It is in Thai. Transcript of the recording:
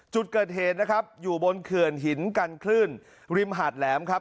จุดเกิดเหตุนะครับอยู่บนเขื่อนหินกันคลื่นริมหาดแหลมครับ